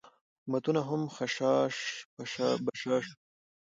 حکومتونه هم خشاش بشاش وو.